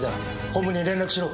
本部に連絡しろ。